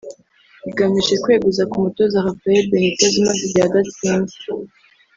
igamije kweguza ku umutoza Rafael Benitez umaze igihe adatsinda